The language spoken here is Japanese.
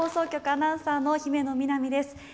アナウンサーの姫野美南です。